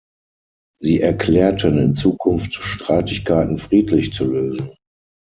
Sie erklärten, in Zukunft Streitigkeiten friedlich zu lösen.